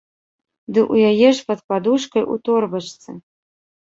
Ды ў яе ж пад падушкай у торбачцы.